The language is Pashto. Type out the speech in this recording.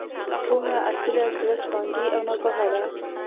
پوهه، اصیله، زړه سواندې او نابغه ده.